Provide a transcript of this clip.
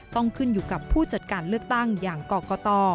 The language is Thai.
ต้องขึ้นอยู่กับผู้จัดการเลือกตั้งอย่างกรกต